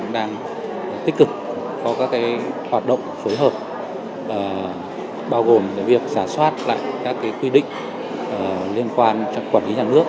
đang tích cực có các hoạt động phối hợp bao gồm việc giả soát lại các quy định liên quan trong quản lý nhà nước